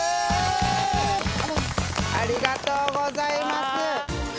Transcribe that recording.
ありがとうございます。